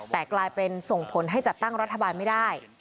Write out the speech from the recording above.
แต่กลายเป็นส่งผลให้จัดตั้งรัฐบาลไม่ได้